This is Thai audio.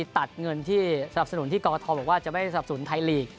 ตัดเงินที่สับสนุนที่โกกธทอบบอกว่าจะไม่สับสนไทยรีก